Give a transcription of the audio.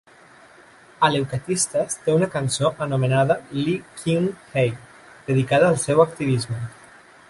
Ahleuchatistas té una cançó anomenada "Lee Kyung Hae", dedicada al seu activisme.